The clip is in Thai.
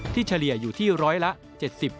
เพิ่มตัวเลขผู้มาใช้สิทธิ์เลือกตั้งมากกว่าทุกครั้ง